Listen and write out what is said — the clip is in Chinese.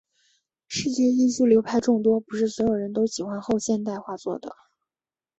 视觉艺术流派众多，不是所有人都喜欢后现代画作的。